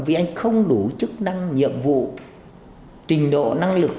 vì anh không đủ chức năng nhiệm vụ trình độ năng lực